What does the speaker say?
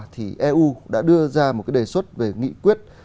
thì eu đã đưa ra một cái đề xuất về nghị quyết